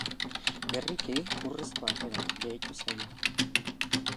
Berriki, urrezko ate bat gehitu zaio.